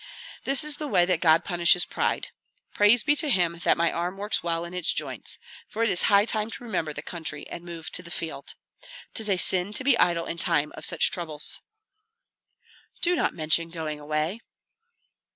This is the way that God punishes pride. Praise be to Him that my arm works well in its joints, for it is high time to remember the country and move to the field. 'Tis a sin to be idle in time of such troubles." "Do not mention going away."